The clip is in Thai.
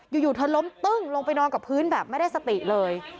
อยู่เธอล้มตึ้งลงไปนอนกับพื้นแบบไม่ได้สติเลย